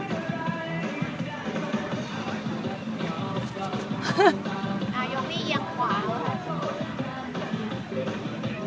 เราก็ยิงต่างแล้ววิวสื่อ